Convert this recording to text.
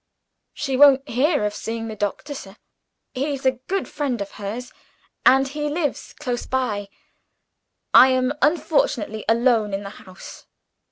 "She won't hear of seeing the doctor, sir. He's a good friend of hers and he lives close by. I am unfortunately alone in the house.